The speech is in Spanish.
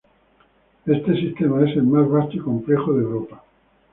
Este sistema es el más vasto y complejo de Europa.